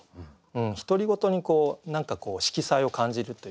独り言に色彩を感じるというかね。